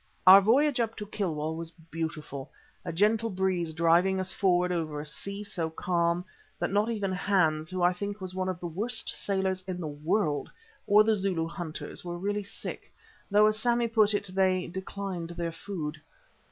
Our voyage up to Kilwa was beautiful, a gentle breeze driving us forward over a sea so calm that not even Hans, who I think was one of the worst sailors in the world, or the Zulu hunters were really sick, though as Sammy put it, they "declined their food."